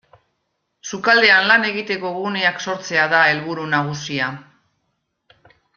Sukaldean lan egiteko guneak sortzea da helburu nagusia.